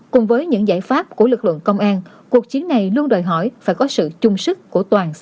cùng với những giải pháp của lực lượng công an cuộc chiến này luôn đòi hỏi phải có sự chung sức của toàn xã hội